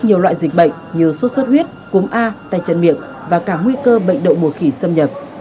nhiều loại dịch bệnh như sốt xuất huyết cúng a tay chân miệng và cả nguy cơ bệnh đậu mùa khỉ xâm nhập